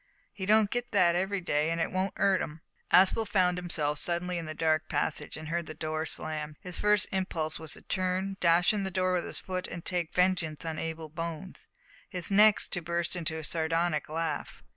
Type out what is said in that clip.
He don't get that every day, an' it won't 'urt 'im." Aspel found himself suddenly in the dark passage, and heard the door slammed. His first impulse was to turn, dash in the door with his foot, and take vengeance on Abel Bones, his next to burst into a sardonic laugh.